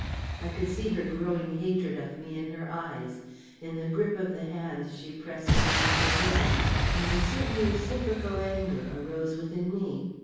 I could see her growing hatred of me in her eyes, in the grip of the hands she pressed against her bosom; and a certain reciprocal anger arose within me.